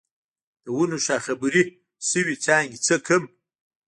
د ونو شاخه بري شوي څانګې څه کړم؟